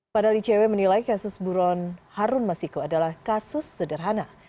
padahal icw menilai kasus buron harun masiku adalah kasus sederhana